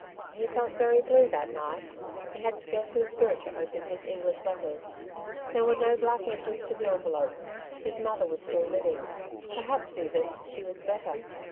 He felt very blue that night. He had scarcely spirit to open his English letters. There were no black edges to the envelopes— his mother was still living; per hap s, even, she was better.